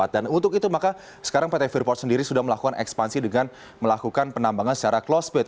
dan untuk itu maka sekarang pt freeport sendiri sudah melakukan ekspansi dengan melakukan penambangan secara closed pit